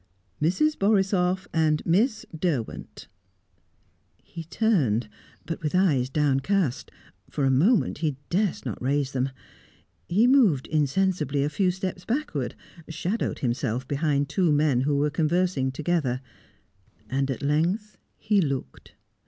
"Mrs. Borisoff and Miss Derwent." He turned, but with eyes downcast: for a moment he durst not raise them. He moved, insensibly, a few steps backward, shadowed himself behind two men who were conversing together. And at length he looked.